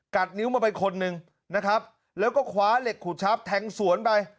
นิ้วมาไปคนหนึ่งนะครับแล้วก็คว้าเหล็กขูดชับแทงสวนไป